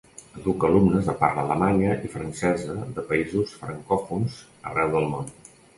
Educa alumnes de parla alemanya i francesa de països francòfons arreu del món.